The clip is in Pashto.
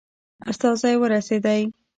استازی ورسېدی.